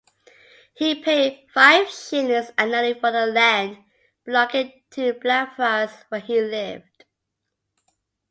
He paid five shillings annually for the "land" belonging to Blackfriars where he lived.